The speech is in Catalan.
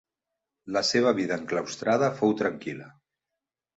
La seva vida enclaustrada fou tranquil·la.